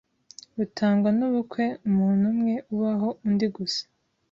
butangwa nubukwe umuntu umwe ubaho undi gusa